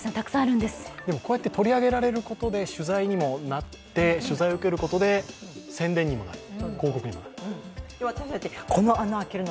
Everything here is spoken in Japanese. こうやって取り上げられることで取材を受けることで宣伝にもなる、広告にもなる。